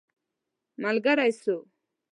ملګری سو.